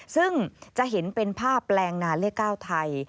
ซึ่งจะเห็นเป็นภาพแปลงนาเลข๙ไทย